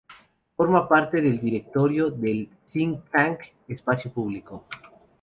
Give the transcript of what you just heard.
Forma parte del directorio del "think tank" Espacio Público.